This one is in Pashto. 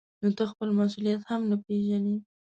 نو ته خپل مسؤلیت هم نه پېژنې.